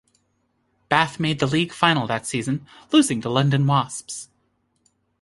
Bath made the League Final that season, losing to London Wasps.